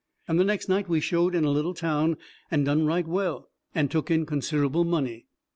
And the next night we showed in a little town, and done right well, and took in considerable money.